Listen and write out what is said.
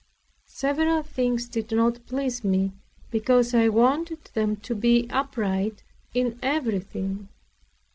Several things did not please me, because I wanted them to be upright in everything.